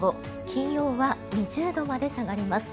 金曜は２０度まで下がります。